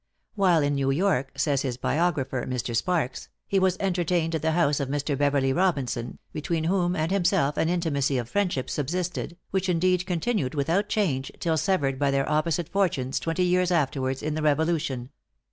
While in New York, says his biographer, Mr. Sparks, "he was entertained at the house of Mr. Beverley Robinson, between whom and himself an intimacy of friendship subsisted, which indeed continued without change, till severed by their opposite fortunes twenty years afterwards in the Revolution.